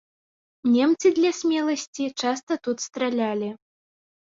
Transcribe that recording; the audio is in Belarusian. Немцы для смеласці часта тут стралялі.